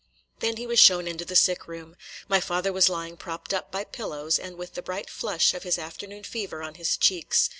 Then he was shown into the sick room. My father was lying propped up by pillows, and with the bright flush of his afternoon fever on his cheeks.